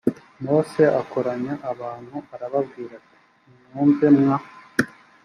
mose akoranya abantu arababwira ati nimwumve mwa